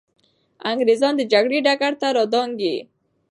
انګریزان د جګړې ډګر ته را دانګلي.